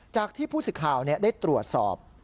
จากที่ผู้สิทธิ์ข่าวได้ตรวจสอบ